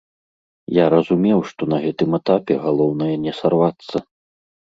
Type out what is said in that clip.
Я разумеў, што на гэтым этапе галоўнае не сарвацца.